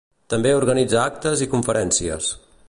També organitza actes i conferències.